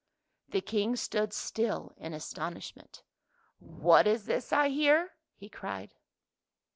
The King stood still in astonishment. " What is this I hear? " he cried.